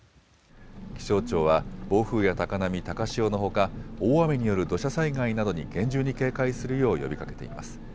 気象庁は暴風や高波、高潮のほか大雨による土砂災害などに厳重に警戒するよう呼びかけています。